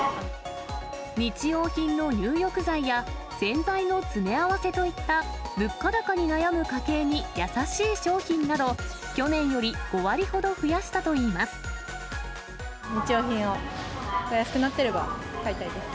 日用品の入浴剤や、洗剤の詰め合わせといった、物価高に悩む家計に優しい商品など、去年より５割ほど増やしたと日用品をお安くなってれば、買いたいです。